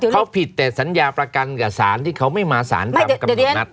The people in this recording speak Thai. เขาผิดแต่สัญญาประกันกับสารที่เขาไม่มาสารตามกำหนดนัด